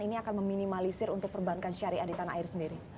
ini akan meminimalisir untuk perbankan syariah di tanah air sendiri